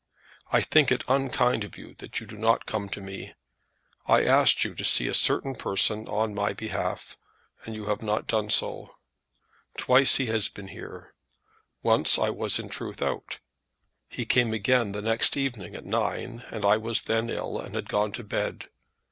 "I think it unkind of you that you do not come to me. I asked you to see a certain person on my behalf, and you have not done so. Twice he has been here. Once I was in truth out. He came again the next evening at nine, and I was then ill, and had gone to bed.